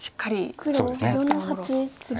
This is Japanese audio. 黒４の八ツギ。